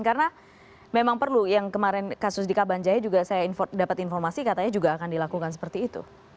karena memang perlu yang kemarin kasus di kabanjaya juga saya dapat informasi katanya juga akan dilakukan seperti itu